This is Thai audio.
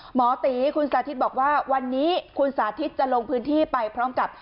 หมอตีคุณสาธิตบอกว่าวันนี้คุณสาธิตจะลงพื้นที่ไปพร้อมกับ